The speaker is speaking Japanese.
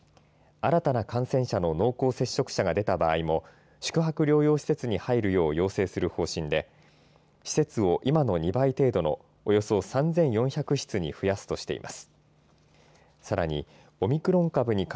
新たな感染者の濃厚接触者が出た場合も宿泊療養施設に入るよう要請する方針で施設を今の２倍程度のおよそ３４００室に増やすとしています。